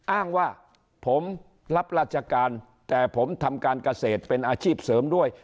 อ้างว่าผมรับราชการแต่ผมทำการเกษตรเป็นอาชีพเสริมด้วย